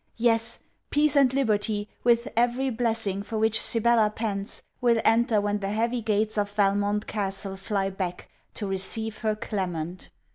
Yes, peace and liberty, with every blessing for which Sibella pants, will enter when the 'heavy gates of Valmont castle fly back' to receive her Clement.